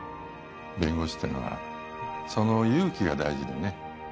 弁護士ってのはその勇気が大事でね